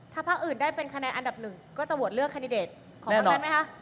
ถ้าพักอื่นได้เป็นคะแนนอันดับหนึ่งก็จะโหวตเลือกแคนดิเดตของพักนั้นไหมคะ